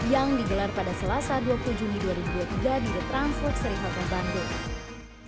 yang digelar pada selasa dua puluh tujuh juni dua ribu dua puluh tiga di the transport serikat pabanggung